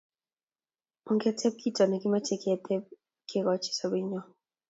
Ongetet kito ne kimechei kevyochi sobenyo